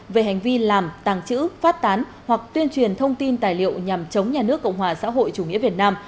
về hành vi làm tàng trữ phát tán hoặc tuyên truyền thông tin tài liệu nhằm chống nhà nước cộng hòa xã hội chủ nghĩa việt nam